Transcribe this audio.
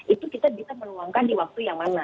itu kita bisa menuangkan di waktu yang mana